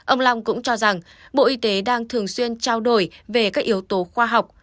ông long cũng cho rằng bộ y tế đang thường xuyên trao đổi về các yếu tố khoa học